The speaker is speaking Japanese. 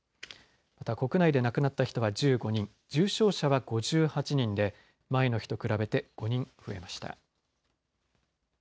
また国内で亡くなった人は１５人重症者は５８人で前の日と比べて５人増えました。